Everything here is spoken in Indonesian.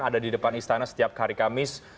ada di depan istana setiap hari kamis